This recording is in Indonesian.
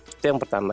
itu yang pertama